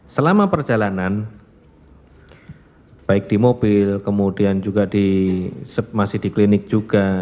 selama perjalanan baik di mobil kemudian juga masih di klinik juga